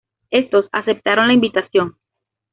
Estos aceptaron la invitación.